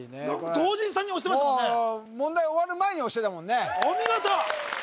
同時に３人押してましたもんね問題終わる前に押してたもんねお見事！